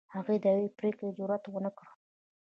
هغوی د یوې پرېکړې جرئت ونه کړ.